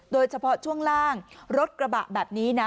โดยเฉพาะช่วงล่างรถกระบะแบบนี้นะ